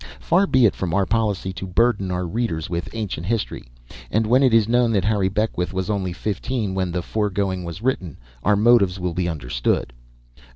Far be it from our policy to burden our readers with ancient history; and when it is known that Harry Beckwith was only fifteen when the fore going was written, our motive will be understood.